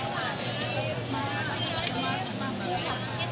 ทำอะไรเนี่ยเหรออ๋อ